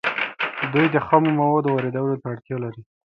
دوی د خامو موادو واردولو ته اړتیا لري